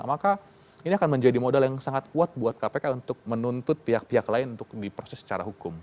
maka ini akan menjadi modal yang sangat kuat buat kpk untuk menuntut pihak pihak lain untuk diproses secara hukum